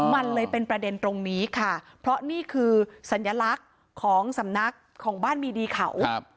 มันเลยเป็นประเด็นตรงนี้ค่ะเพราะนี่คือสัญลักษณ์ของสำนักของบ้านมีดีเขา